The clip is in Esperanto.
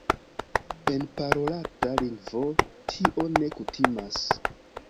En parolata lingvo tio ne kutimas.